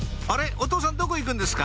お父さんどこ行くんですか？